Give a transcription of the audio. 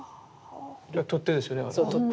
取っ手ですよね。